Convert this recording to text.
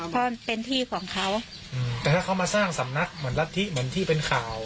แต่ถ้าเขามาสร้างสำนักเหมือนรัฐที่เป็นข่าว